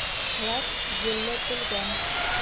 Класс елләтелгән